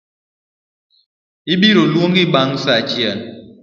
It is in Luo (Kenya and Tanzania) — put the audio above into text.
Ibiroluongi bang’ sa achiel